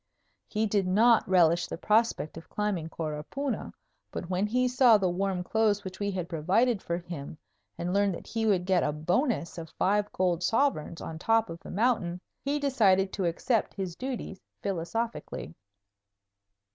He did not relish the prospect of climbing Coropuna, but when he saw the warm clothes which we had provided for him and learned that he would get a bonus of five gold sovereigns on top of the mountain, he decided to accept his duties philosophically.